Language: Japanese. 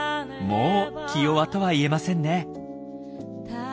もう気弱とは言えませんね。